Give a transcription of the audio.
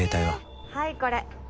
はいこれ。